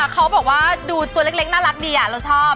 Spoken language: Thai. เขาบอกว่าดูตัวเล็กน่ารักดีเราชอบ